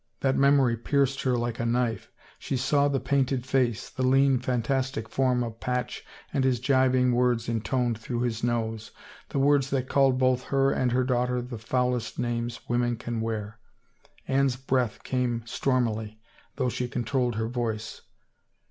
That memory pierced her like a knife. She saw the painted face, the lean fantastic form of Patch and his jibing words intoned through his nose — the words that called both her and her daughter the foulest names women can wear. Anne's breath came stormily, though she controlled her voice.